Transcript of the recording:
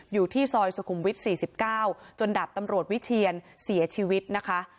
อยู่ที่ซอยสุขุมวิท๔๙จนดาบตำรวจวิเชียนเสียชีวิตนะคะ